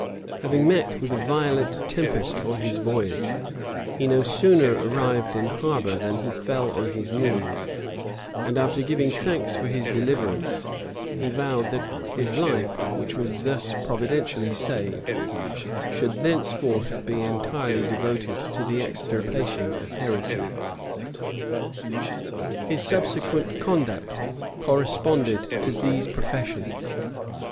Having met with a violent tempest on his voyage, he no sooner arrived in harbor than he fell on his knees; and after giving thanks for his deliverance, he vowed that his life, which was thus providentially saved, should thenceforth be entirely devoted to the extirpation of heresy.[*] His subsequent conduct corresponded to these professions.